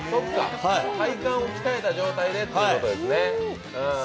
体幹を鍛えた状態でということですね。